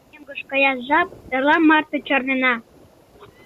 — Мӧҥгыш каяш жап, эрла марте чарнена!